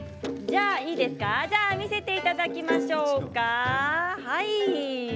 じゃあ見せていただきましょうか。